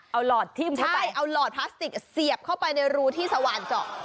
เอาหลอดที่ใช่เอาหลอดพลาสติกเสียบเข้าไปในรูที่สว่านเจาะอ้อ